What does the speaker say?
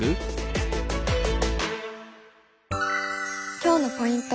今日のポイント